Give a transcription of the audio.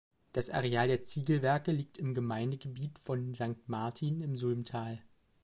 Das Areal der Ziegelwerke liegt im Gemeindegebiet von Sankt Martin im Sulmtal.